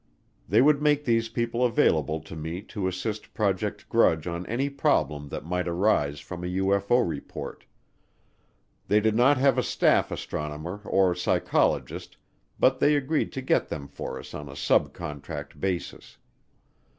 They would make these people available to me to assist Project Grudge on any problem that might arise from a UFO report. They did not have a staff astronomer or psychologist, but they agreed to get them for us on a subcontract basis.